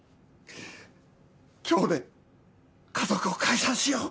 今日で家族を解散しよう。